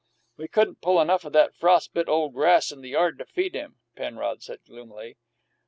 "We couldn't pull enough o' that frostbit ole grass in the yard to feed him," Penrod said gloomily.